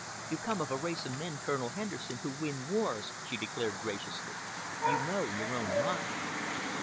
"You come of a race of men, Colonel Henderson, who win wars," she declared graciously. "You know your own mind."